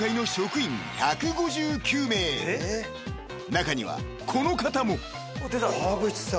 ［中にはこの方も］